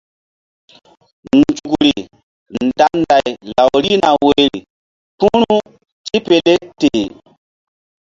Nzukri nda nday law rihna woyri kpu̧ru tipele teh.